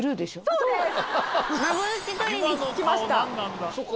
そうです！